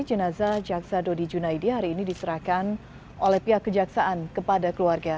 jenazah jaksa dodi junaidi hari ini diserahkan oleh pihak kejaksaan kepada keluarga